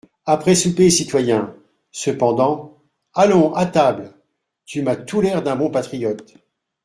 Après souper, citoyen !… Cependant … Allons, à table ! Tu m'as tout l'air d'un bon patriote.